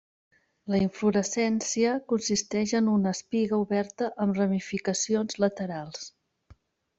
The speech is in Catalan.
La inflorescència consisteix en una espiga oberta amb ramificacions laterals.